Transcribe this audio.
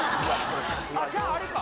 あっじゃああれか。